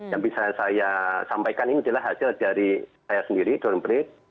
yang bisa saya sampaikan ini adalah hasil dari saya sendiri droneprit